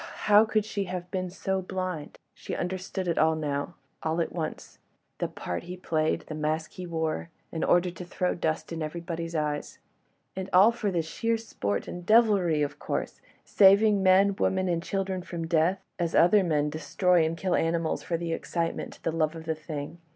how could she have been so blind? She understood it now—all at once ... that part he played—the mask he wore ... in order to throw dust in everybody's eyes. And all for sheer sport and devilry of course!—saving men, women and children from death, as other men destroy and kill animals for the excitement, the love of the thing.